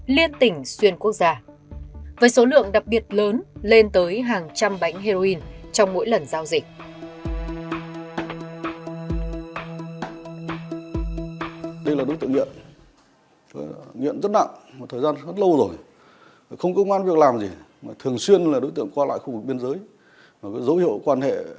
lên tới hàng trăm bánh heroin trong mỗi lần giao dịch